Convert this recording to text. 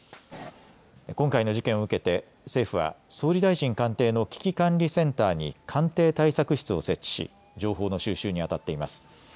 今回の事件を受けて政府は総理大臣官邸の危機管理センターに官邸対策室を設置し情報の収集にあたっています。